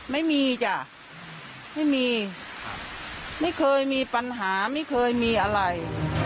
ไม่มีจ้ะไม่มีไม่เคยมีปัญหาไม่เคยมีอะไร